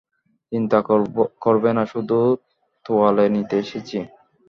চিন্তা করবে না, শুধু তোয়ালে নিতে এসেছি।